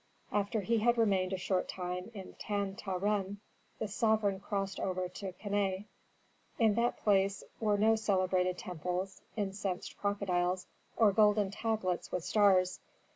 After he had remained a short time in Tan ta ren, the sovereign crossed over to Keneh. In that place were no celebrated temples, incensed crocodiles, or golden tablets with stars.